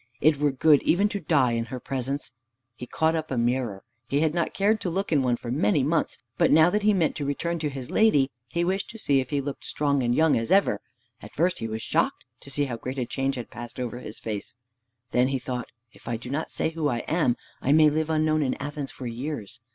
It were good even to die in her presence." He caught up a mirror. He had not cared to look in one for many months, but now that he meant to return to his lady, he wished to see if he looked strong and young as ever. At first he was shocked to see how great a change had passed over his face. Then he thought, "If I do not say who I am, I may live unknown in Athens for years.